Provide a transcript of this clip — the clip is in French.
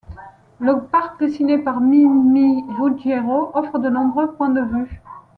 Le parc, dessiné par Mimi Ruggiero, offre de nombreux points de vue.